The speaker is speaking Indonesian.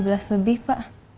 tujuh belas lebih pak